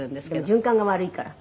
「循環が悪いから」